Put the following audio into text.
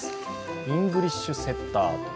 イングリッシュセッター。